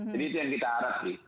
jadi itu yang kita harap sih